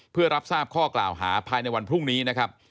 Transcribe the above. เพื่อรับทราบข้อกล่าวหาภายในวันพรุ่งนี้นะครับ